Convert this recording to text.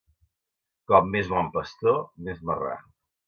Com més bon pastor, més marrà.